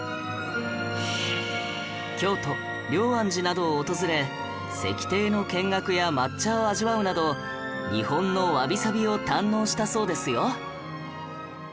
京都龍安寺などを訪れ石庭の見学や抹茶を味わうなど日本のわびさびを堪能したそうですよ